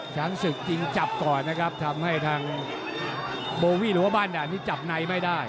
ช้างศึกจริงจับก่อนนะครับทำให้ทางโบวี่หรือว่าบ้านด่านนี้จับในไม่ได้